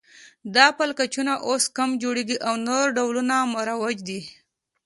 دا پلچکونه اوس کم جوړیږي او نور ډولونه مروج دي